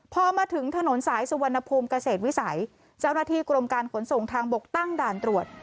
พอมาถึงถนนสายสุวรรณภูมิเกษตรวิสัยเจ้าหน้าที่กรมการขนส่งทางบกตั้งด่านตรวจ